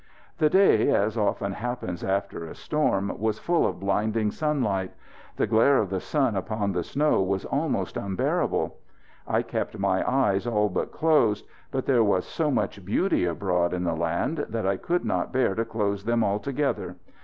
The day, as often happens after a storm, was full of blinding sunlight. The glare of the sun upon the snow was almost unbearable. I kept my eyes all but closed but there was so much beauty abroad in the land that I could not bear to close them altogether.